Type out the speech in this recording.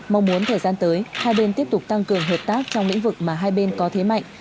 mong muốn thời gian tới hai bên tiếp tục tăng cường hợp tác trong lĩnh vực mà hai bên có thế mạnh